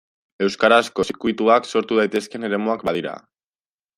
Euskarazko zirkuituak sortu daitezkeen eremuak badira.